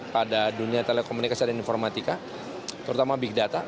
pada dunia telekomunikasi dan informatika terutama big data